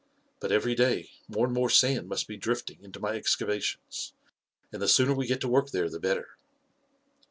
But every day, more and more sand must be drift ing into my excavations, and the sooner we get to work there the better."